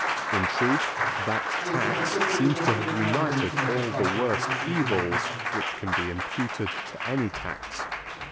In truth, that tax seems to have united all the worst evils which can be imputed to any tax.